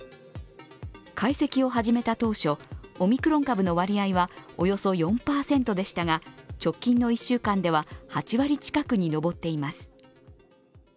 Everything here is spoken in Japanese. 解析を始めた当初、オミクロン株の割合はおよそ４％でしたが、直近の１週間では８割近くに上っています。